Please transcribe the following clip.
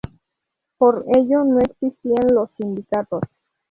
Por ello no existían los sindicatos.